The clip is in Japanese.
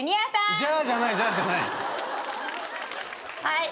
はい。